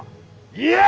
いや！